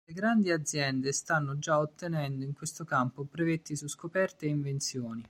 Le grandi aziende stanno già ottenendo in questo campo brevetti su scoperte e invenzioni.